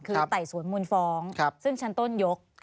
คือไต่สวนมูลฟ้องซึ่งชั้นต้นยก